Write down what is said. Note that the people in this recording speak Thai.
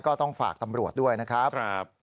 ก็ต้องฝากตำรวจด้วยนะครับ